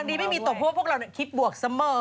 พลังดีไม่มีตกพวกพวกเราคิดบวกเสมอ